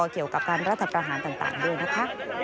เกี่ยวกับการรัฐประหารต่างด้วยนะคะ